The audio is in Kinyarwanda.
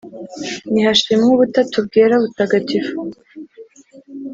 nihashimwe ubutatu bwera butagatifu